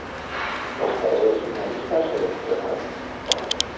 Esta es una lista seleccionada.